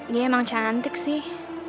dia emang cantik sih